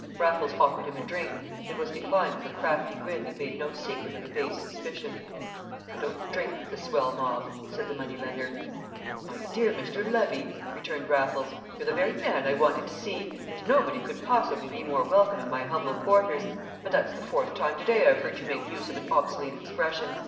Raffles offered him a drink; it was declined with a crafty grin that made no secret of a base suspicion. "I don't drink with the swell mob," said the money lender. "My dear Mr. Levy," returned Raffles, "you're the very man I wanted to see, and nobody could possibly be more welcome in my humble quarters; but that's the fourth time to day I've heard you make use of an obsolete expression.